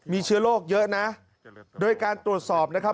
มีเชื้อโรคเยอะนะโดยการตรวจสอบนะครับ